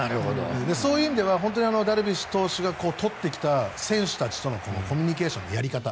そういう意味ではダルビッシュ投手が取ってきた選手たちとのコミュニケーションのやり方。